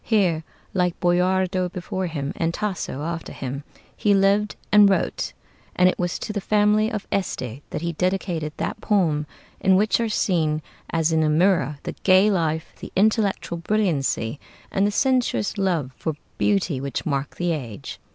Here, like Boiardo before him and Tasso after him, he lived and wrote; and it was to the family of Este that he dedicated that poem in which are seen, as in a mirror, the gay life, the intellectual brilliancy, and the sensuous love for beauty which mark the age.